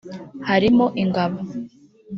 harimo ingabo